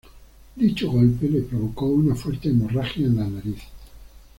Dicho golpe le provocó una fuerte hemorragia en la nariz.